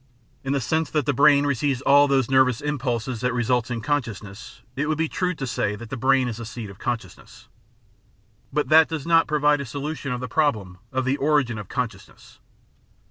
In the sense that the brain receives all those nervous impulses that result in consciousness, it would be true to say that the brain is the seat of consciousness. But that does not provide a solution of the problem of the origin of consciousness.